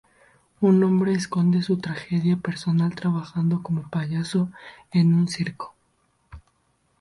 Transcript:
Un hombre esconde su tragedia personal trabajando como payaso en un circo.